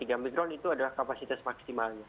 jadi tiga mikron itu adalah kapasitas maksimalnya